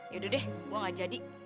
yaudah deh gue gak jadi